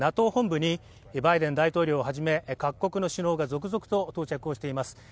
ＮＡＴＯ本部に、バイデン大統領をはじめ各国の首脳が続々と到着しています。